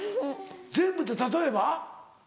全部って例えば？